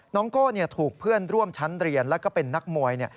โก้ถูกเพื่อนร่วมชั้นเรียนแล้วก็เป็นนักมวย